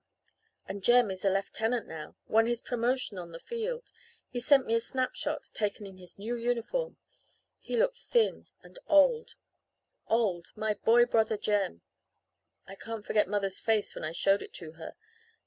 "And Jem is a lieutenant now won his promotion on the field. He sent me a snap shot, taken in his new uniform. He looked thin and old old my boy brother Jem. I can't forget mother's face when I showed it to her.